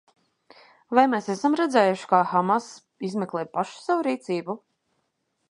Vai mēs esam redzējuši, ka Hamas izmeklē paši savu rīcību?